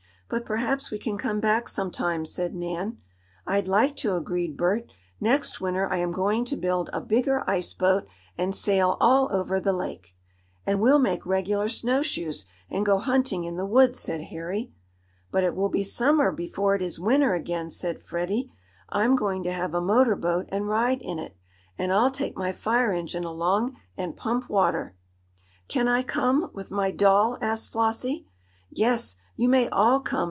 "But perhaps we can come back some time," said Nan. "I'd like to," agreed Bert. "Next winter I am going to build a bigger ice boat, and sail all over the lake." "And we'll make regular snowshoes, and go hunting in the woods," said Harry. "But it will be summer before it is winter again," said Freddie. "I'm going to have a motor boat and ride in it. And I'll take my fire engine along, and pump water." "Can I come, with my doll?" asked Flossie. "Yes, you may all come!"